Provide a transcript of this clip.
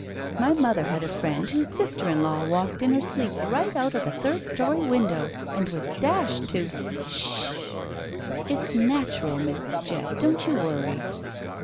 My mother had a friend whose sister in law walked in her sleep right out of a third story window and was dashed to —" ''Shh h h!" It's natural, Mrs. Jett. Don't you worry."